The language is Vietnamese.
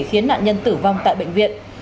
khiến nạn nhân tử vong tại bệnh viện